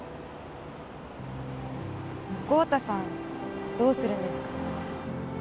豪太さんどうするんですか？